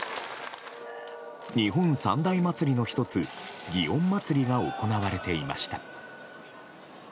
日本三大祭りの１つ祇園祭が行われていました。